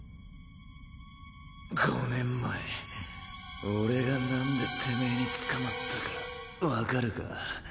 ５年前俺がなんでてめぇに捕まったか分かるか？